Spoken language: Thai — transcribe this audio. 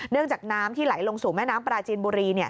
จากน้ำที่ไหลลงสู่แม่น้ำปลาจีนบุรี